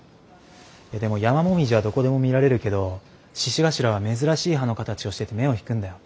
でもヤマモミジはどこでも見られるけど獅子頭は珍しい葉の形をしてて目を引くんだよ。